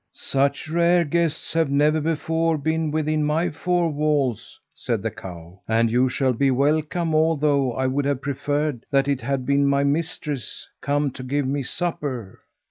"Such rare guests have never before been within my four walls," said the cow, "and you shall be welcome, although I would have preferred that it had been my mistress, come to give me my supper."